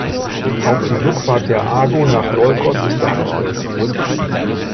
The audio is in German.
Auch die Rückfahrt der Argo nach Iolkos ist dargestellt.